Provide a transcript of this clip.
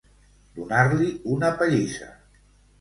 Donar-li una pallissa.